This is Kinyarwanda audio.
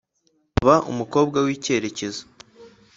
Ba umukobwa wikerekezo